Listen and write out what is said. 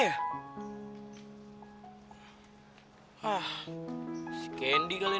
ayo berbual dengan aku